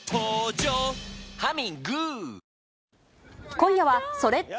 今夜は、それって？